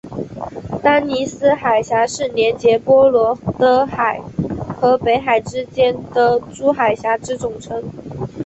丹尼斯海峡是连结波罗的海和北海之间的诸海峡之总称。